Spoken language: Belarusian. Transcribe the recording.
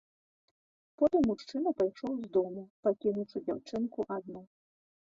Потым мужчына пайшоў з дому, пакінуўшы дзяўчынку адну.